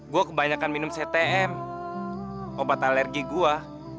gue kebanyakan minum ctm obat alergi gue